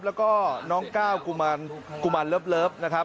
แล้วก็น้องก้าวกุมารเลิฟนะครับ